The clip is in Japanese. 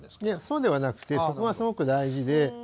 いやそうではなくてそこがすごく大事で。